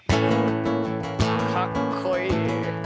かっこいい。